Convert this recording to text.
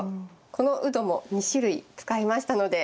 このウドも２種類使いましたので。